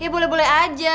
ya boleh boleh aja